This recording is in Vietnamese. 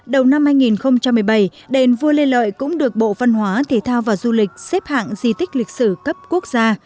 đầu năm hai nghìn một mươi bảy đền vua lê lợi cũng được bộ văn hóa thể thao và du lịch xếp hạng di tích lịch sử cấp quốc gia